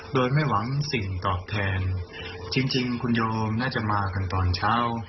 โดยไม่หวังสิ่งตอบแทนจริงคุณโยมน่าจะมากันตอนเช้า